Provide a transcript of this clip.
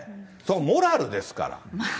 モラルですから。